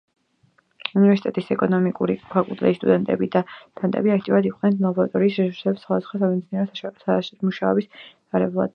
უნივერსიტეტის ეკონომიკური ფაკულტეტის სტუდენტები და დოქტორანტები აქტიურად იყენებენ ლაბორატორიის რესურსებს სხვადასხვა სამეცნიერო სამუშაოების ჩასატარებლად.